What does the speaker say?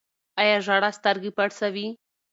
آیا ژړا سترګې پړسوي؟